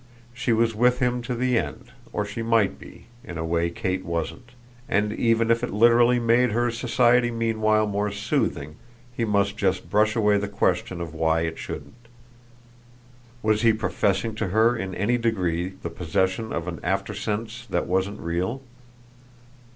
She was with him to the end or she might be in a way Kate wasn't; and even if it literally made her society meanwhile more soothing he must just brush away the question of why it shouldn't. Was he professing to her in any degree the possession of an aftersense that wasn't real?